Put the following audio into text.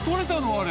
あれ。